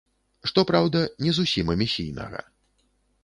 Што праўда, не зусім эмісійнага.